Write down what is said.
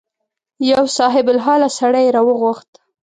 یو صاحب الحاله سړی یې راوغوښت.